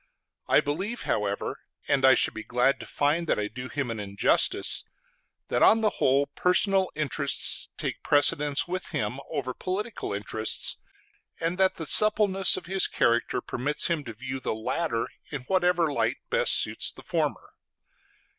I believe, however, and I should be glad to find that I do him an injustice, that on the whole, personal interests take precedence with him over political interests, and that the suppleness of his character permits him to view the latter in whatever light best suits the former.